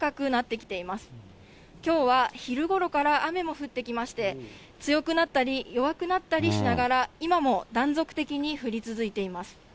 きょうは昼頃から雨も降ってきまして、強くなったり弱くなったりしながら、今も断続的に降り続いています。